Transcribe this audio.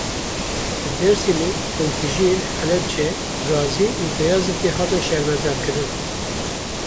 Li Dêrsimê komkujiyên Helebce, Gazî û Beyazidê hatin şermezarkirin.